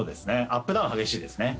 アップダウンが激しいですね。